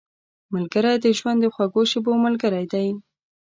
ملګری د ژوند د خوږو شېبو ملګری دی